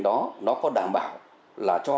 đó nó có đảm bảo là cho